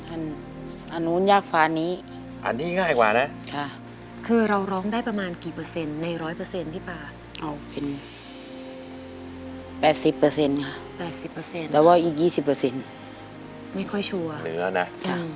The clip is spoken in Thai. อันนู้นยากฟ้านี้อันนี้ง่ายกว่านะค่ะคือเราร้องได้ประมาณกี่เปอร์เซ็นต์ในร้อยเปอร์เซ็นต์ที่ปลาเอาเป็นแปดสิบเปอร์เซ็นต์ค่ะแปดสิบเปอร์เซ็นต์แต่ว่าอีกยี่สิบเปอร์เซ็นต์ไม่ค่อยชัวร์เหนือนะอืม